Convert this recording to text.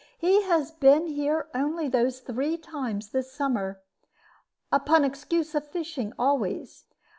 "He has been here only those three times this summer, upon excuse of fishing always.